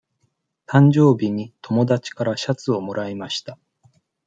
誕生日に友達からシャツをもらいました。